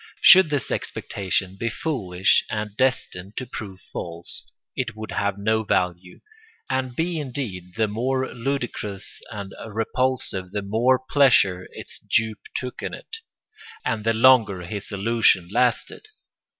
Should this expectation be foolish and destined to prove false, it would have no value, and be indeed the more ludicrous and repulsive the more pleasure its dupe took in it, and the longer his illusion lasted.